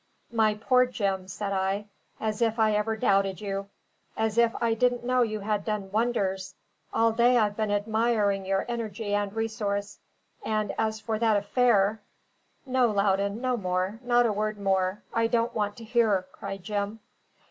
"My poor Jim," said I, "as if I ever doubted you! as if I didn't know you had done wonders! All day I've been admiring your energy and resource. And as for that affair " "No, Loudon, no more, not a word more! I don't want to hear," cried Jim.